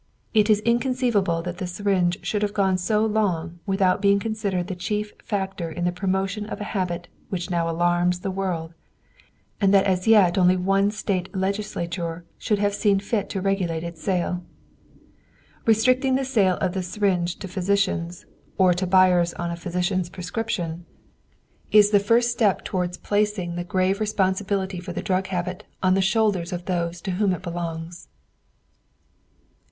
It is inconceivable that the syringe should have gone so long without being considered the chief factor in the promotion of a habit which now alarms the world, and that as yet only one state legislature should have seen fit to regulate its sale. Restricting the sale of the syringe to physicians, or to buyers on a physician's prescription, is the first step toward placing the grave responsibility for the drug habit on the shoulders of those to whom it belongs.